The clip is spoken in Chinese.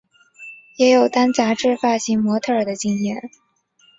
也有当杂志发型模特儿的经验。